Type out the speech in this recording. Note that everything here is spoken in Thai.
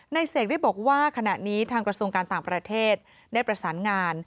เสกได้บอกว่าขณะนี้ทางกระทรวงการต่างประเทศได้ประสานงาน